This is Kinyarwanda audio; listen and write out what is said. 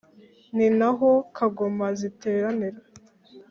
Ni na ho kagoma ziteranira